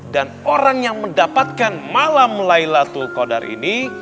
dan orang yang mendapatkan malam laylatul qadar ini